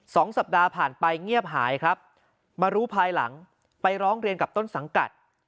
สองสัปดาห์ผ่านไปเงียบหายครับมารู้ภายหลังไปร้องเรียนกับต้นสังกัด